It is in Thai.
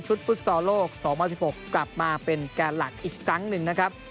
ชุดฟุตซอโลกสองเมื่อสิบหกกลับมาเป็นแก่หลักอีกครั้งหนึ่งนะครับ